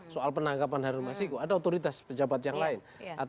soal penanggapan harun masiko ada otoritas pejabat yang lain